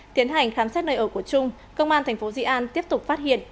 tiến hành khám xét nơi ở của trung công an thành phố di an tiếp tục phát hiện